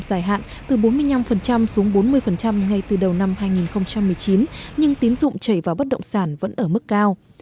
dài hạn từ bốn mươi năm xuống bốn mươi ngay từ đầu năm hai nghìn một mươi chín nhưng tín dụng chảy vào bất động sản vẫn ở mức cao